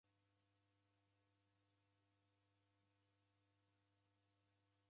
Bado msako ghwa bunduki ilagharie ghwaw'iaendelia.